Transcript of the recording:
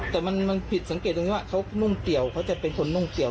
แต่มันผิดสังเกตตรงที่ว่าเขานุ่งเตี่ยวเขาจะเป็นคนนุ่งเกี่ยว